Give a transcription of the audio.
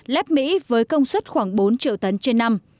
lắp mỹ với công suất khoảng bốn triệu tấn trên năm